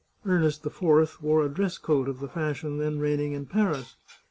Ernest IV wore a dress coat of the fashion then reign ing in Paris.